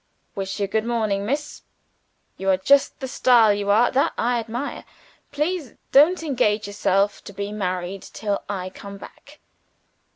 "Wish you good morning, Miss! You're just the style, you are, that I admire. Please don't engage yourself to be married till I come back."